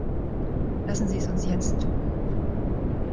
Lassen Sie es uns jetzt tun.